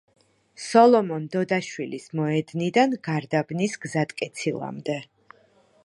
სოლომონ დოდაშვილის მოედნიდან გარდაბნის გზატკეცილამდე.